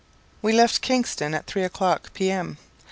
S.M. We left Kingston at three o'clock, P.M.